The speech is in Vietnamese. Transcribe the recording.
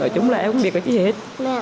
rồi chúng là em không biết cái gì hết